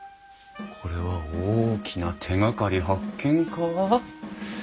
これは大きな手がかり発見か？